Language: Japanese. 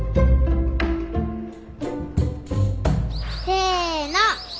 せの！